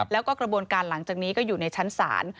แล้วก็กระบวนการหลังจากนี้ก็อยู่ในชั้นศาล